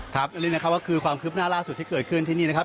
ครับนี่นะครับก็คือความคลิปหน้าร่าสุดที่เกิดขึ้นที่นี่นะครับ